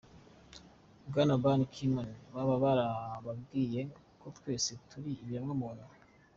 Bwana Ban Ki Moon, baba barababwiye ko twese turi ibiremwamuntu?.